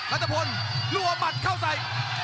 รัฐพลรัวหมัดเข้าใส่